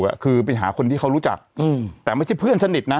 คือไปหาคนที่เขารู้จักอืมแต่ไม่ใช่เพื่อนสนิทนะ